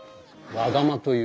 和釜という。